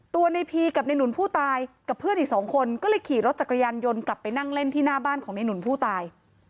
ตัวในพีกับในหนุนผู้ตายกับเพื่อนอีกสองคนก็เลยขี่รถจักรยานยนต์กลับไปนั่งเล่นที่หน้าบ้านของในหนุนผู้ตาย